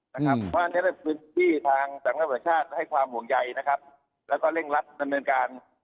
พรุ่งนี้เป็นพื้นที่ทางศักดิ์ระบบริชาติให้ความห่วงใยและเร่งรัฐดำเนินการ